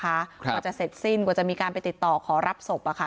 กว่าจะเสร็จสิ้นกว่าจะมีการไปติดต่อขอรับศพอะค่ะ